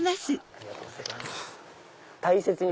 ありがとうございます。